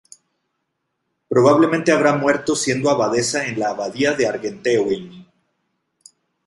Probablemente habrá muerto siendo abadesa en la Abadía de Argenteuil.